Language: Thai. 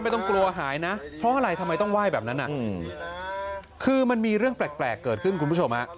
ต้องกลัวหายนะเพราะอะไรทำไมต้องไหว้แบบนั้นคือมันมีเรื่องแปลกเกิดขึ้นคุณผู้ชมฮะ